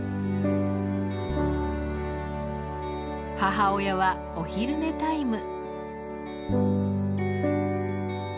母親はお昼寝タイム。